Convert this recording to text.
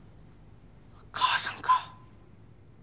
母さんか。